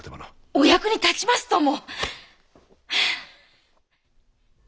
お役に立ちますとも。